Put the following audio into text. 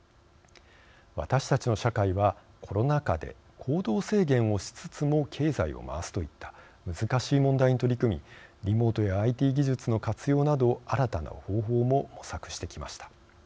私たちの社会はコロナ禍で行動制限をしつつも経済を回すといった難しい問題に取り組みリモートやＩＴ技術の活用など新たな方法も模索してきました。